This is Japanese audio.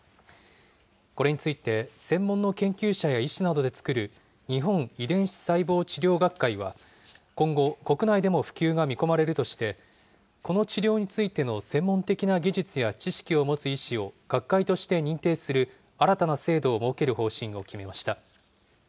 これについて専門の研究者や医師などで作る日本遺伝子細胞治療学会は、今後、国内でも普及が見込まれるとして、この治療についての専門的な技術や知識を持つ医師を学会として認定する、新たな制度を設ける方針を決めました。